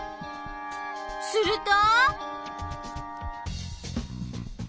すると！？